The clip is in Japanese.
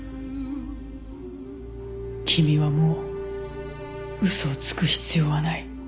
君はもう嘘をつく必要はない。